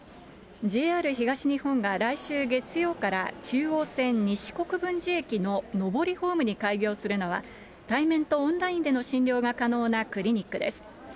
ＪＲ東日本が、来週月曜から中央線西国分寺駅の上りホームに開業するのは、対面とオンラインでの診療が可能なクリニックです。